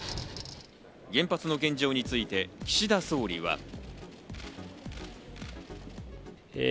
原発の現状について岸田総理は。